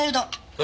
え？